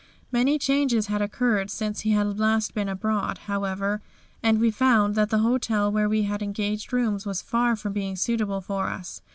Many changes had occurred since he had last been abroad, however, and we found that the hotel where we had engaged rooms was far from being suitable for us.